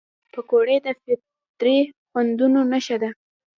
پکورې د فطري خوندونو نښه ده